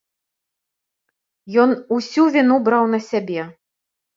Ён усю віну браў на сябе.